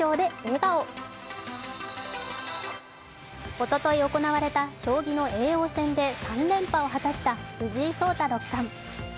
おととい行われた将棋の叡王戦で３連覇を果たした藤井聡太六冠。